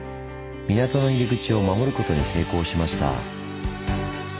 港の入り口を守ることに成功しました。